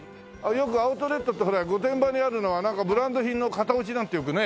よくアウトレットってほら御殿場にあるのはなんかブランド品の型落ちなんてよくね。